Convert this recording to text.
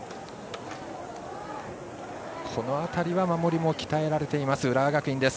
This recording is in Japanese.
この辺りは守りも鍛えられている浦和学院。